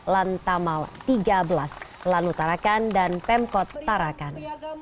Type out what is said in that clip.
lantamal tiga belas lanu tarakan dan pemkot tarakan